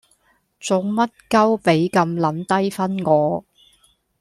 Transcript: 做乜鳩畀咁撚低分我